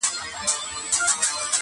ستا له مالته رخصتېږمه بیا نه راځمه٫